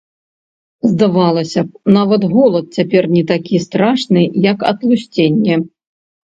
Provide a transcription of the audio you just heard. Здавалася б, нават голад цяпер не такі страшны, як атлусценне.